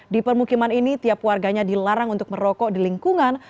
di permukiman ini tiap warganya dilarang untuk merokok di lingkungan